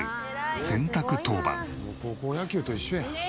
もう高校野球と一緒や。